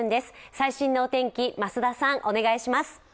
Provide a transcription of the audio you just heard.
最新のお天気、増田さんお願いします。